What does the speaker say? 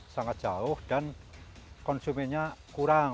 sangat jauh dan konsumennya kurang